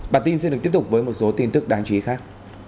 bản tin sẽ được tiếp tục với một số tin tức đáng chú ý khác